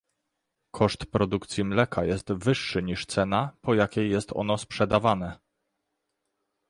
Koszt produkcji mleka jest wyższy niż cena, po jakiej jest ono sprzedawane